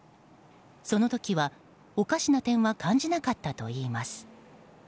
その時は、おかしな点は感じなかったといいます。